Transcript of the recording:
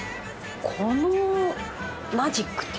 このマジックっていうか。